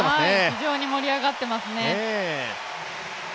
非常に盛り上がっていますね。